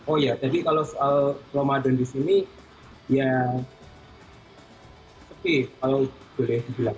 oh ya jadi kalau soal ramadan di sini ya sepi kalau boleh dibilang